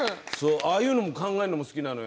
ああいうのも考えるのも好きなのよ。